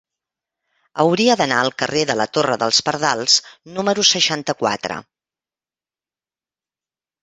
Hauria d'anar al carrer de la Torre dels Pardals número seixanta-quatre.